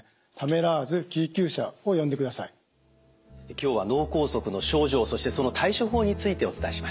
今日は脳梗塞の症状そしてその対処法についてお伝えしました。